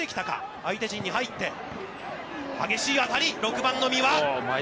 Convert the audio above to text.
相手陣に入って激しい当たり、６番の三羽。